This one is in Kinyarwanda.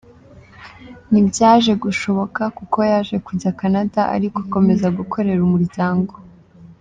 Ntibyaje gushoboka kuko yaje kujya Canada ariko akomeza gukorera umuryango.